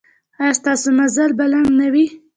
ایا ستاسو مزل به لنډ نه وي؟